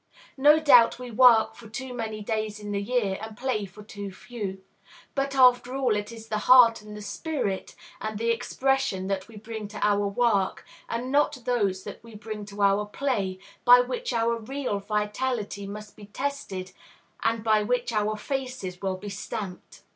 No doubt we work for too many days in the year, and play for too few; but, after all, it is the heart and the spirit and the expression that we bring to our work, and not those that we bring to our play, by which our real vitality must be tested and by which our faces will be stamped.